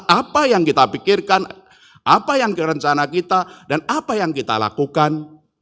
apa yang kita pikirkan apa yang rencana kita dan apa yang kita lakukan